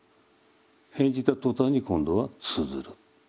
変じた途端に今度は通ずる。